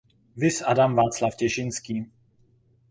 Viz Adam Václav Těšínský.